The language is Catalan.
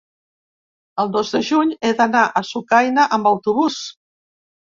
El dos de juny he d'anar a Sucaina amb autobús.